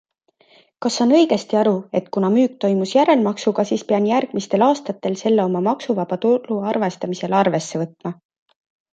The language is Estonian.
Kas saan õigesti aru, et kuna müük toimus järelmaksuga, siis pean järgmistel aastatel selle oma maksuvaba tulu arvestamisel arvesse võtma?